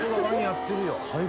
ワニやってるよ。